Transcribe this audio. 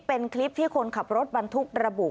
เป็นคลิปที่คนขับรถบรรทุกระบุ